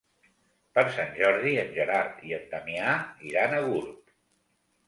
Per Sant Jordi en Gerard i en Damià iran a Gurb.